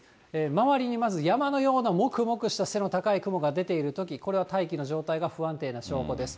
周りにまず山のようなもくもくした背の高い雲が出ているとき、これは大気の状態が不安定な証拠です。